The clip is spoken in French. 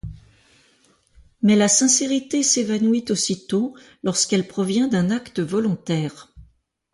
Mais la sincérité s'évanouit aussitôt, lorsqu'elle provient d'un acte volontaire.